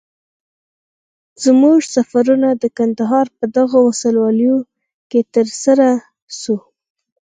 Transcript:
زموږ سفرونه د کندهار په دغو ولسوالیو کي تر سره سو.